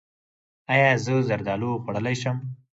ایا زه زردالو خوړلی شم؟